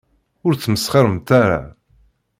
Ur tmesxiremt ara.